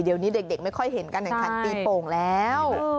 เดี๋ยวนี้เด็กไม่ค่อยเห็นการแข่งขันตีโป่งแล้ว